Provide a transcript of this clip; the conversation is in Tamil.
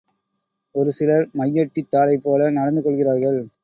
ஒரு சிலர் மையொட்டித் தாளைப்போல நடந்து கொள்கிறார்கள்.